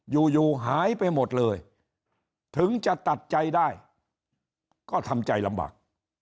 อยู่อยู่หายไปหมดเลยถึงจะตัดใจได้ก็ทำใจลำบาก